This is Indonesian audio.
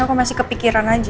aku masih kepikiran aja